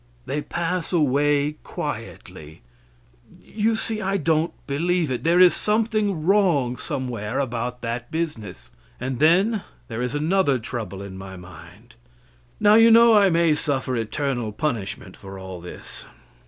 They pass away quietly. You see I don't believe it. There is something wrong somewhere about that business. And then there is another trouble in my mind. Now, you know I may suffer eternal punishment for all this.